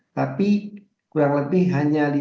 tapi kurang lebih hanya